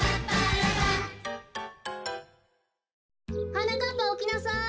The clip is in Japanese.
・はなかっぱおきなさい！